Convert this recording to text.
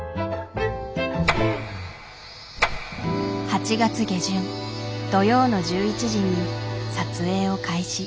８月下旬土曜の１１時に撮影を開始。